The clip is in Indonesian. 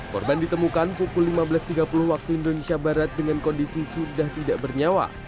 korban ditemukan pukul lima belas tiga puluh waktu indonesia barat dengan kondisi sudah tidak bernyawa